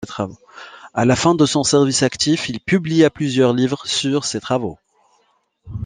À la fin de son service actif, il publia plusieurs livres sur ses travaux.